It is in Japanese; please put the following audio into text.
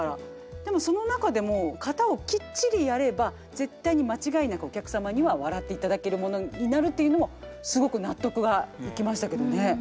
でもその中でも型をきっちりやれば絶対に間違いなくお客様には笑っていただけるものになるっていうのもすごく納得がいきましたけどね。